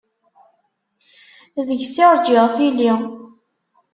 Deg-s i rǧiɣ tili.